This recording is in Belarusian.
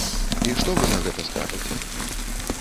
І што вы на гэта скажаце?